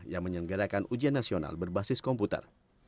yang menyelenggarakan ujian nasional berbasis komputer